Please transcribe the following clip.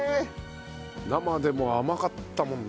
生でも甘かったもんな。